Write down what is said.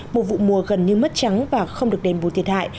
một vụ mùa gần như mất trắng và không được đền bù thiệt hại